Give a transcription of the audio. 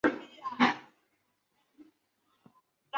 他的许多兄长却只承认自己仅是非裔美国人。